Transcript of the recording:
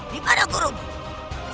di mana gurumu